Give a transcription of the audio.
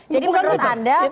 jadi menurut anda